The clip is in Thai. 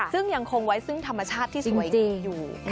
ซึ่งยังคงไว้ซึ่งธรรมชาติที่สวยดีอยู่